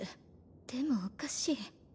でもおかしい。